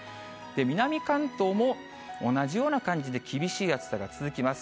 南関東も同じような感じで厳しい暑さが続きます。